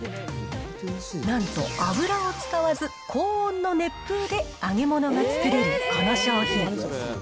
なんと油を使わず高温の熱風で揚げ物が作れるこの商品。